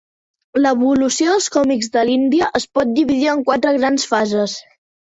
L'evolució dels còmics de l'Índia es pot dividir en quatre grans fases.